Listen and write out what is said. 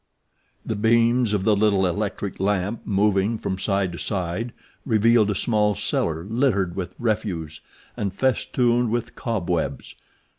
The beams of the little electric lamp, moving from side to side, revealed a small cellar littered with refuse and festooned with cob webs.